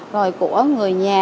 rồi của người nhà